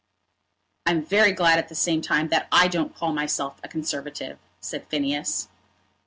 "I'm very glad, at the same time, that I don't call myself a Conservative," said Phineas.